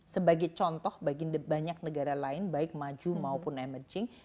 sebagai contoh bagi banyak negara lain baik maju maupun emerging